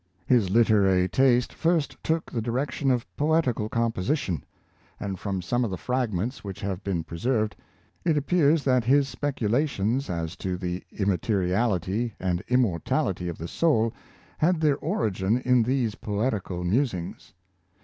His literary taste first took the direction of poetical composition; and from some of the fragments which have been preserved, it appears that his speculations as to the immateriality and immortality of the soul had their origin in these poetical musings.